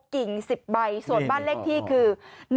กิ่ง๑๐ใบส่วนบ้านเลขที่คือ